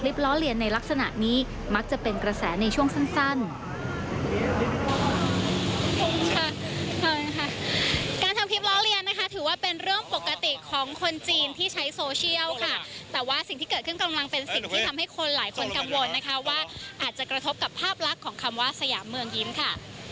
สิ่งที่เกิดขึ้นกำลังเป็นสิ่งที่ทำให้คนหลายคนกำวนนะคะว่าอาจจะกระทบกับภาพลักษณ์ของคำว่าสยามเมืองยิ้มค่ะ